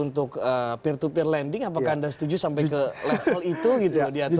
untuk peer to peer lending apakah anda setuju sampai ke level itu gitu loh